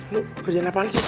lo kerjaan apaan sih